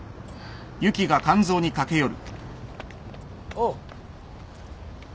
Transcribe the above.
おう。